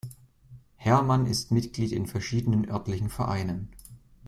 Herrmann ist Mitglied in verschiedenen örtlichen Vereinen.